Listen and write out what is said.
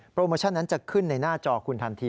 โมชั่นนั้นจะขึ้นในหน้าจอคุณทันที